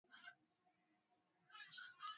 sera za biashara zimekuwa chachu ya kukua kwa redio